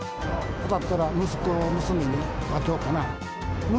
当たったら息子、娘に分けようかな。